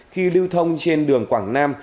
khi lưu thông trên đường quảng nam